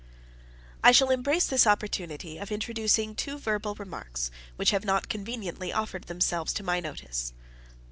I shall embrace this opportunity of introducing two verbal remarks, which have not conveniently offered themselves to my notice.